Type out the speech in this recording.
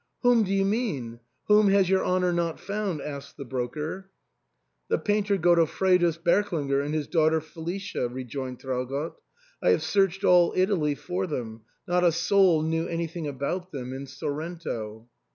" Whom do you mean ? Whom has your honour not found ?" asked the broker. " The painter Godofredus Berklinger and his daughter Felicia," rejoined Trau gott. " I have searched all Italy for them ; not a soul knew anything about them in Sorrento."